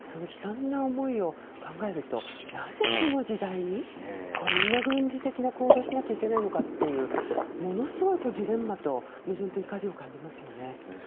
悲惨な思いを考えるとなぜ、この時代にこんな軍事的な行動をしなきゃいけないのかというものすごいジレンマと矛盾と怒りを感じますよね。